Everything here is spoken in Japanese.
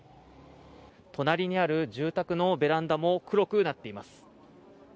隣にある住宅のベランダも黒くなっています。